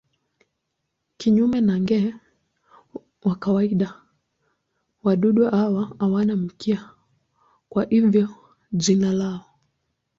Kinyume na nge wa kawaida wadudu hawa hawana mkia, kwa hivyo jina lao.